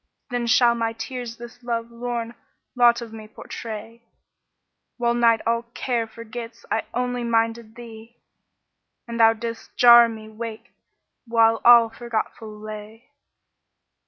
* Then shall my tears this love lorn lot of me portray. While night all care forgets I only minded thee, * And thou didst gar me wake while all forgetful lay."